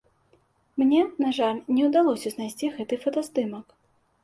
Мне, на жаль, не ўдалося знайсці гэты фотаздымак.